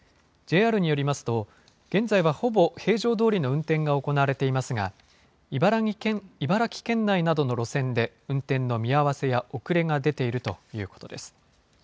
ＪＲによりますと、現在はほぼ平常どおりの運転が行われていますが、茨城県内などの路線で、運転の見合わせや遅れが出ているということです。